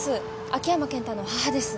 秋山健太の母です。